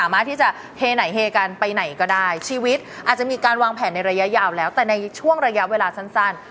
ไม่มีการวางแผนในระยะยาวแล้วแต่ในช่วงระยะเวลาสั้น